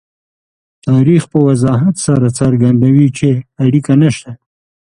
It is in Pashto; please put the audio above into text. تاریخ په وضاحت سره څرګندوي چې اړیکه نشته.